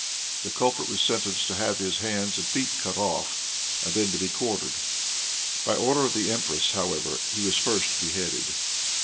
The culprit was sentenced to have his hands and feet cut off, and then to be quartered. By order of the empress, however, he was first beheaded.